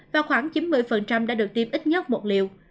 và khoảng chín mươi đã được tiêm ít nhất một liều